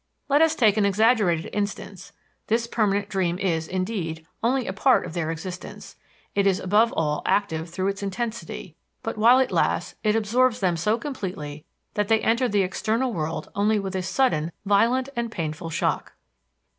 Let us take an exaggerated instance: This permanent dream is, indeed, only a part of their existence; it is above all active through its intensity; but, while it lasts, it absorbs them so completely that they enter the external world only with a sudden, violent and painful shock.